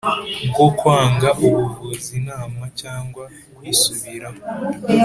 Bwo kwanga ubuvuzi inama cyangwa kwisubiraho